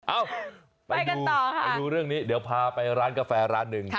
เอ้าไปดูไปดูเรื่องนี้เดี๋ยวพาไปร้านกาแฟร้านหนึ่ง